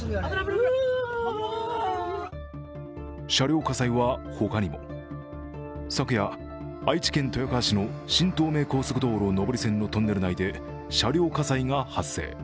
車両火災は他にも。昨夜、愛知県豊川市の新東名高速道路上り線のトンネル内で車両火災が発生。